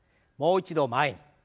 もう一度前に。